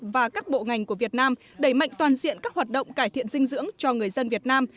và các bộ ngành của việt nam đẩy mạnh toàn diện các hoạt động cải thiện dinh dưỡng cho người dân việt nam